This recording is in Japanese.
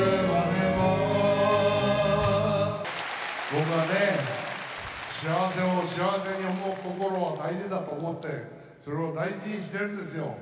僕はね、幸せを幸せに思う心は大事だと思って、それを大事にしているんですよ。